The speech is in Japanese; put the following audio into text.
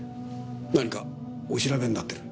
何かお調べになってる？